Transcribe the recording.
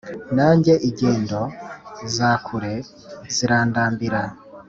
Nanga ijyendo zakure zirandambira